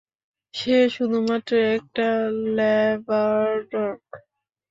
সে শুধুমাত্র একটা ল্যাব্রাড্রর্ক।